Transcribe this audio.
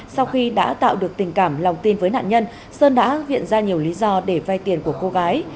sau khi đã tạo được tình cảm lòng tin với nạn nhân sơn đã viện ra nhiều lý do để vay tiền của cô gái